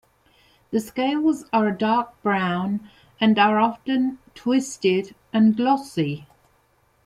The scales are a dark brown and are often twisted and glossy.